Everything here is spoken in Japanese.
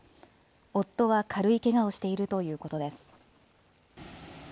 夫は軽いけがをしているということです。